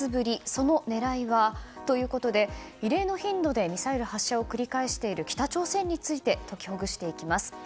その狙いは？ということで異例の頻度でミサイル発射を繰り返している北朝鮮についてときほぐしていきます。